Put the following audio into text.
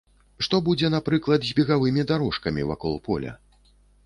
Што будзе, напрыклад, з бегавымі дарожкамі вакол поля?